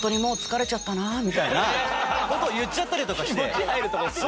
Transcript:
みたいな事を言っちゃったりとかして。